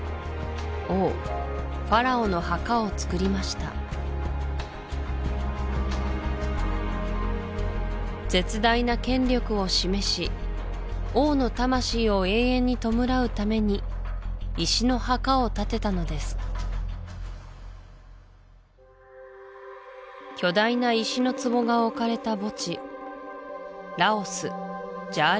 王ファラオの墓をつくりました絶大な権力を示し王の魂を永遠に弔うために石の墓を建てたのです巨大な石の壺が置かれた墓地ラオスジャール